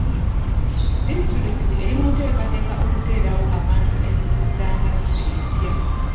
Disitulikiti eri munteekateeka okuteerawo abantu enzizi z'amazzi empya.